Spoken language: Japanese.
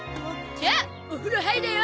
じゃっお風呂入れよ！